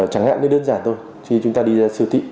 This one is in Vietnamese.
chẳng hạn như đơn giản thôi khi chúng ta đi ra siêu thị